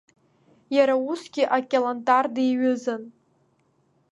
Иара усгьы акьалантар диҩызан.